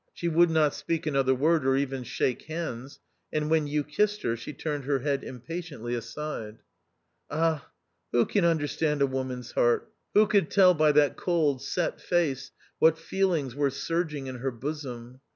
She would not speak another word, or even shake hands ; and when you kissed her she turned her head impatiently aside. Ah ! who can understand a woman's heart ? Who could tell by that cold set face what feelings were surging in her bosom